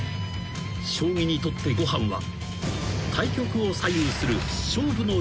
［将棋にとってごはんは］